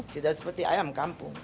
tidak seperti ayam kampung